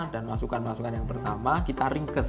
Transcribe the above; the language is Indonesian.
dan masukan masukan yang pertama kita ringkes